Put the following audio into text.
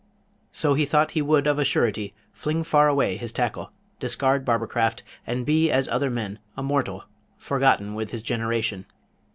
So he thought he would of a surety fling far away his tackle, discard barbercraft, and be as other men, a mortal, forgotten with his generation.